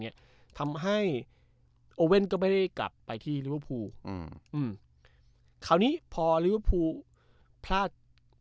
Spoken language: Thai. ไงทำให้โอเว่นก็ไม่ได้กลับไปที่อืมอืมคราวนี้พอพลาด